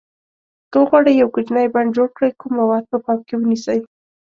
که وغواړئ یو کوچنی بڼ جوړ کړئ کوم موارد په پام کې ونیسئ.